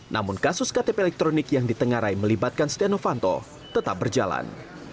namun kasus ktp elektronik yang ditengarai melibatkan setia novanto tetap berjalan